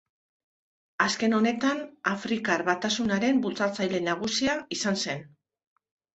Azken honetan Afrikar Batasunaren bultzatzaile nagusia izan zen.